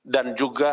dan juga terima kasih